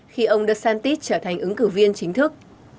khi ông desantis trở thành ứng cử viên chính thức